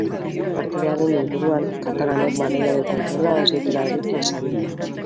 Partidaren inguruan katalanek baloiaren kontrola ez dutela eduki esan du.